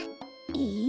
え。